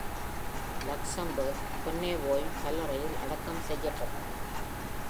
Luxembourg, Bonnevoie கல்லறையில் அடக்கம் செய்யப்பட்டது.